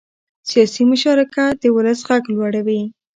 سیاسي مشارکت د ولس غږ لوړوي